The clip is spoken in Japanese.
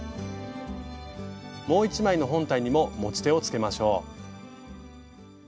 もう１枚の本体にも持ち手をつけましょう。